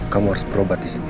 kamu harus berobat disini